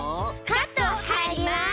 カットはいります！